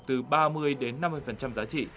từ ba mươi đến năm mươi giá trị